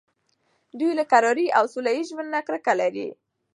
دوی له کرارۍ او سوله ایز ژوند نه کرکه لري.